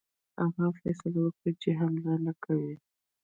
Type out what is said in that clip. هغه فیصله وکړه چې حمله نه کوي.